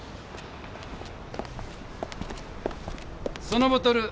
そのボトル